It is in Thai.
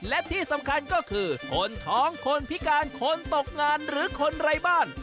และที่สำคัญก็คือคนท้องคนพิการคนตกงานหรือคนไร้บ้าน